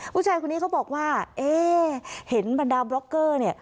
ผู้ชายคนนี้เขาบอกว่าเอ๊ะเห็นบรรดาบล็อกเกอร์เนี่ย